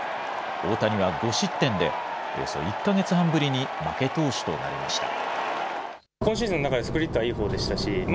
大谷は５失点で、およそ１か月半ぶりに負け投手となりました。